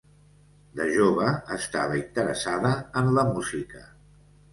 De jove, estava interessada en la música.